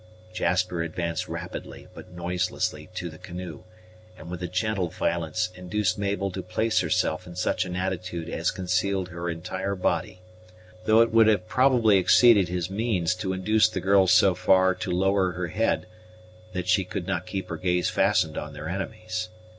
Jasper advanced rapidly, but noiselessly, to the canoe, and with a gentle violence induced Mabel to place herself in such an attitude as concealed her entire body, though it would have probably exceeded his means to induce the girl so far to lower her head that she could not keep her gaze fastened on their enemies.